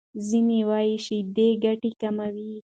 ځینې وايي شیدې ګټې کموي.